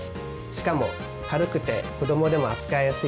しかも軽くて子どもでも扱いやすいんです。